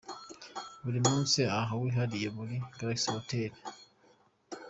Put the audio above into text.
Buri munsi uba wihariye muri Galaxy Hotel.